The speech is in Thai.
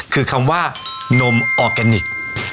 คือคำว่านมออร์แกนิค